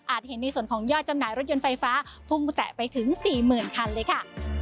เห็นในส่วนของยอดจำหน่ายรถยนต์ไฟฟ้าพุ่งแตะไปถึง๔๐๐๐คันเลยค่ะ